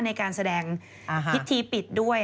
ในการแสดงพิธีปิดด้วย